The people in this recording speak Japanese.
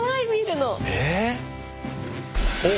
おっ。